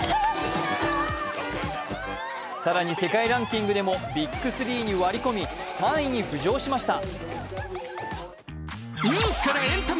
更に世界ランキングでもビッグ３に割り込み３位に浮上しました。